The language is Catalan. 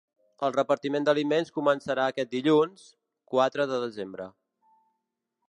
El repartiment d’aliments començarà aquest dilluns, quatre de desembre.